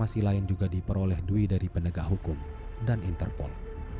dan kelasi lain juga diperoleh dui dari pendegah hukum dan interpol